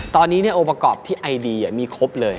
ตอนนี้เนี่ยอุปกรณ์ที่ไอดีมีครบเลย